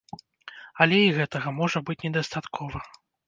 Але і гэтага можа быць недастаткова.